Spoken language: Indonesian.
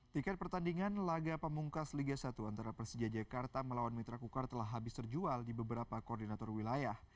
tiket pertandingan laga pemungkas liga satu antara persija jakarta melawan mitra kukar telah habis terjual di beberapa koordinator wilayah